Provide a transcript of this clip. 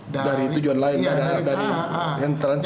dari tujuan lain dari yang transpa